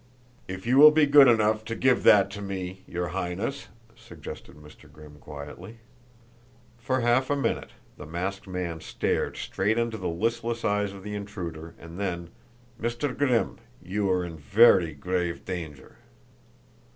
"If you will be good enough to give that to me, your Highness," suggested Mr. Grimm quietly. For half a minute the masked man stared straight into the listless eyes of the intruder, and then: "Mr. Grimm, you are in very grave danger."